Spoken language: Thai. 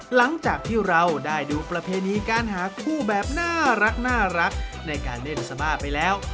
หลังจากที่เราได้ดูประเพณีการหาคู่แบบน่ารักในการเล่นซามาไปแล้ว